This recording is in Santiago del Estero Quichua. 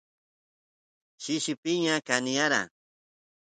shishi piña kaniyara